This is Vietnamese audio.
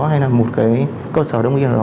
hay là một cái cơ sở đông y nào đó